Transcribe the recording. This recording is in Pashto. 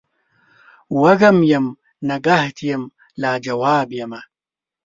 وږم یم نګهت یم لا جواب یمه